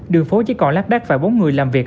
đường phố chỉ còn lát đất và bốn người làm việc